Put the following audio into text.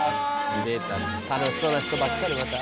出た楽しそうな人ばっかり出た。